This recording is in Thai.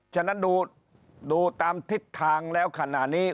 ฉะนั้นดูตามทิศทางแล้วขณะนี้